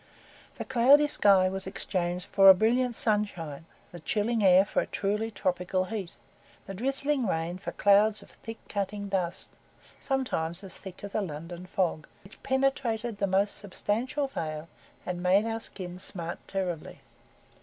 The cloudy sky was exchanged for a brilliant sunshine, the chilling air for a truly tropical heat, the drizzling rain for clouds of thick cutting dust, sometimes as thick as a London fog, which penetrated the most substantial veil, and made our skins smart terribly.